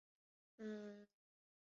马东河畔班维勒人口变化图示